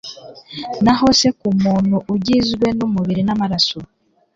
naho se ku muntu ugizwe n'umubiri n'amaraso